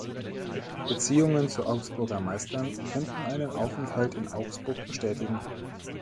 Beziehungen zu Augsburger Meistern könnten einen Aufenthalt in Augsburg bestätigen.